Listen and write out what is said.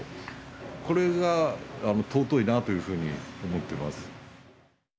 これが尊いなというふうに思ってます。